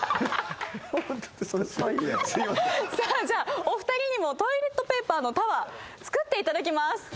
じゃあお二人にもトイレットペーパーのタワー作っていただきます。